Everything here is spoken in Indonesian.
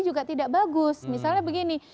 juga tidak bagus misalnya begini